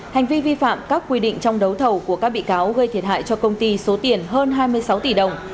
hành vi vi phạm các quy định trong đấu thầu của các bị cáo gây thiệt hại cho công ty số tiền hơn hai mươi sáu tỷ đồng